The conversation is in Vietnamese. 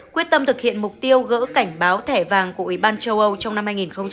quyết tâm thực hiện mục tiêu gỡ cảnh báo thẻ vàng của ủy ban châu âu trong năm hai nghìn hai mươi